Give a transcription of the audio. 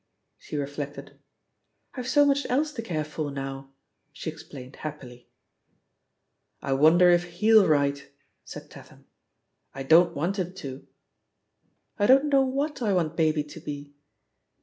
She reflected. "I've so much else to care for now," she explained happily. "I wonder if he'U write?" said Tatham. "I don't want him to." "I don't know wTiat I want Baby to be."